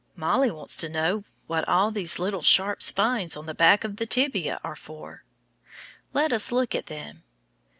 Mollie wants to know what all these little sharp spines on the back of the tibia are for. Let us look at them.